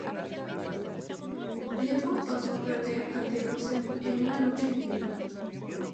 Lefort pasó a perder ante Rusev en una lucha individual.